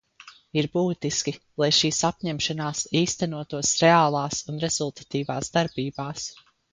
Ir būtiski, lai šīs apņemšanās īstenotos reālās un rezultatīvās darbībās.